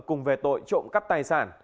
cùng về tội trộm cao